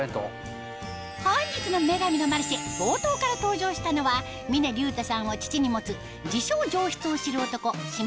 本日の『女神のマルシェ』冒頭から登場したのは峰竜太さんを父に持つ自称